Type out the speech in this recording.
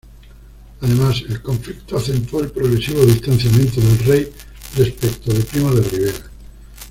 Además, "el conflicto... acentuó el progresivo distanciamiento del rey" respecto de Primo de Rivera.